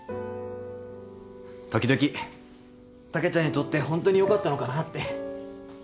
時々竹ちゃんにとってホントによかったのかなって。